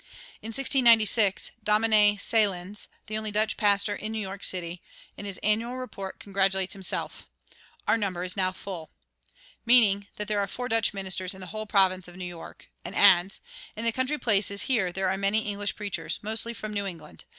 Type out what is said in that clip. In 1696 Domine Selyns, the only Dutch pastor in New York City, in his annual report congratulates himself, "Our number is now full," meaning that there are four Dutch ministers in the whole province of New York, and adds: "In the country places here there are many English preachers, mostly from New England.